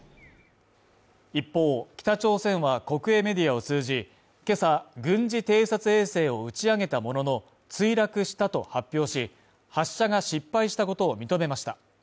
一方、北朝鮮は国営メディアを通じ、今朝、軍事偵察衛星を打ち上げたものの、墜落したと発表し、発射が失敗したことを認めました。